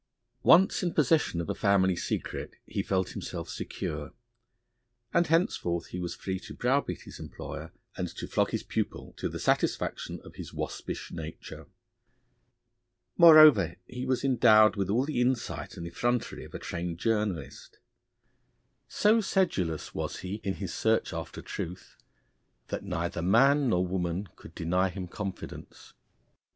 Once in possession of a family secret, he felt himself secure, and henceforth he was free to browbeat his employer and to flog his pupil to the satisfaction of his waspish nature. Moreover, he was endowed with all the insight and effrontery of a trained journalist. So sedulous was he in his search after the truth, that neither man nor woman could deny him confidence.